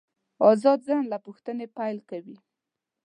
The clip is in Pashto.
آزاد ذهن له پوښتنې پیل کوي.